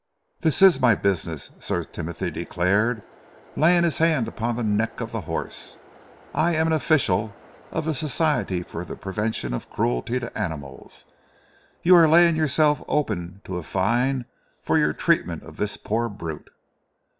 "This is my business," Sir Timothy declared, laying his hand upon the neck of the horse. "I am an official of the Society for the Prevention of Cruelty to Animals. You are laying yourself open to a fine for your treatment of this poor brute."